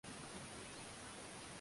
Makazi ni mazuri.